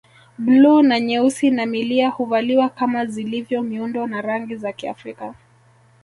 Bluu na nyeusi na milia huvaliwa kama zilivyo miundo na rangi za Kiafrika